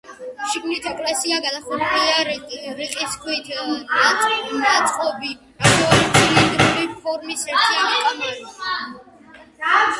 შიგნით ეკლესია გადახურულია რიყის ქვით ნაწყობი, ნახევარცილინდრული ფორმის, ერთიანი კამარით.